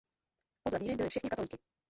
Podle víry byli všichni katolíky.